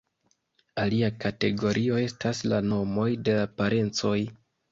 Alia kategorio estas la nomoj de la parencoj.